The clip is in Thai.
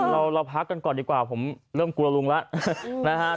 เราพักกันก่อนดีกว่าผมเริ่มกลัวลุงแล้วนะฮะ